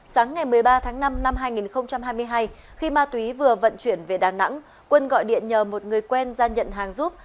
sáng ngày một mươi ba tháng năm năm hai nghìn hai mươi hai khi ma túy vừa vận chuyển về đà nẵng quân gọi điện nhờ một người quen ra nhận hàng giúp